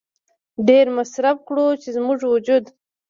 ډېر مصرف کړو چې زموږ وجود